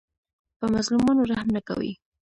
په مظلومانو رحم نه کوي